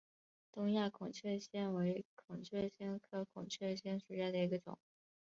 东亚孔雀藓为孔雀藓科孔雀藓属下的一个种。